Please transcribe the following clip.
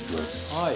はい。